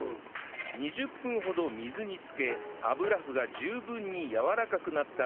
２０分ほど水につけ油麩が十分にやわらかくなったら